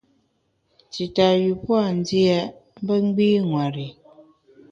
Tita yü pua’ ndia mbe gbî ṅweri.